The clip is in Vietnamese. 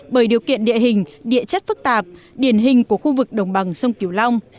bởi điều kiện địa hình địa chất phức tạp điển hình của khu vực đồng bằng sơn kiểu long